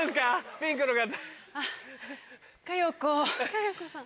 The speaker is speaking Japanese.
ピンクの方。